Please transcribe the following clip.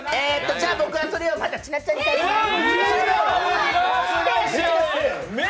じゃあ、またそれをちなっちゃんに返しまーす。